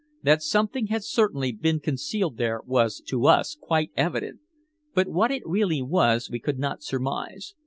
That something had certainly been concealed was, to us, quite evident, but what it really was we could not surmise.